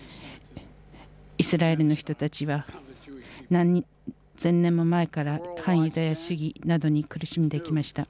イスラエルの人たちは何千年も前から反ユダヤ主義などに苦しんできました。